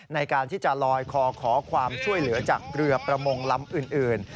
ในการที่จะลอยคอขอความช่วยเหลือจากเรือประมงลำอื่น